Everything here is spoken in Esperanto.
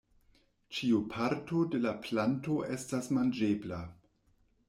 Ĉiu parto de la planto esta manĝebla.